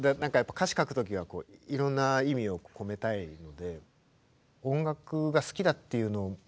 歌詞書く時はいろんな意味を込めたいので音楽が好きだっていうのをもう一回ちょっと一からこう何か